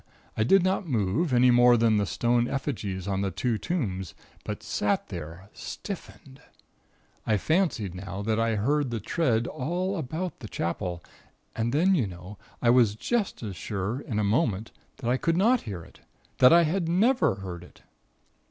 I did not move, any more than the stone effigies on the two tombs; but sat there, stiffened. I fancied now, that I heard the tread all about the Chapel. And then, you know, I was just as sure in a moment that I could not hear it that I had never heard it.